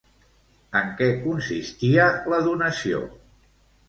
En què consistia la donació?